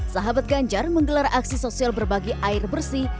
sahabat ganjar menggelar aksi sosial berbagi air bersih